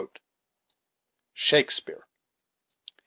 Shakespeare.